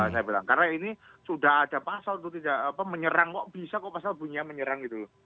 saya bilang karena ini sudah ada pasal itu tidak apa menyerang kok bisa kok pasal punya menyerang gitu